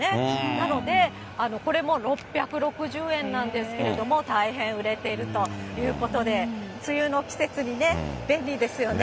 なので、これも、６６０円なんですけども、大変売れているということで、梅雨の季節に便利ですよね。